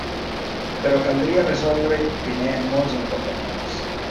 Però caldria resoldre-hi primer molts inconvenients.